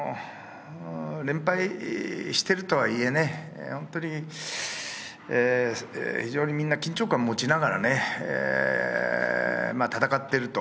連敗しているとはいえね、非常にみんな緊張感を持ちながらね、戦っていると。